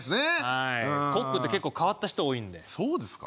はいコックって結構変わった人多いんでそうですか？